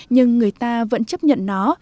nhưng người ta vẫn chấp nhận nó